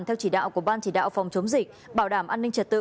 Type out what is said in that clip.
theo chỉ đạo của ban chỉ đạo phòng chống dịch bảo đảm an ninh trật tự